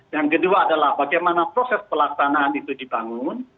yang kedua adalah bagaimana proses pelaksanaan itu dibangun